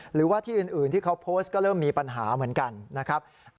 หรือว่าที่อื่นที่เขาโพสต์ก็เริ่มมีปัญหาเหมือนกันนะครับ